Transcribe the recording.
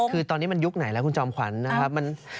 คือตอนนี้มันยุคไหนแล้วคุณจอมขวัญนะครับ